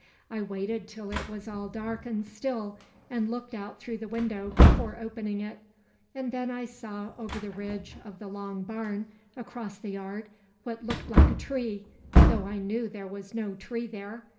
I waited till it was all dark and still, and looked out through the window before opening it. And then I saw over the ridge of the long barn across the yard what looked like a tree, though I knew there was no tree there.